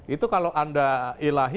itu kalau anda ilahi